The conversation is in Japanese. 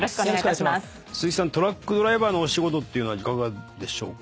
トラックドライバーのお仕事っていうのはいかがでしょうか？